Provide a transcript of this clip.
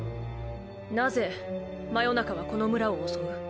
何故魔夜中はこの村を襲う？